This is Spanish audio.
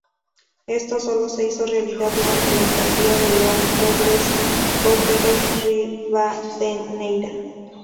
Esto sólo se hizo realidad durante la alcaldía de León Febres-Cordero Ribadeneyra.